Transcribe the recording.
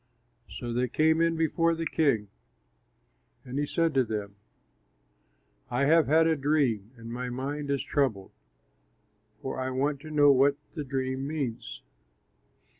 So they came in before the king, and he said to them, "I have had a dream and my mind is troubled, for I want to know what the dream means."